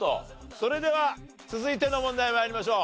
それでは続いての問題参りましょう。